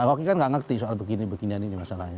roke kan gak ngerti soal begini beginian ini masalahnya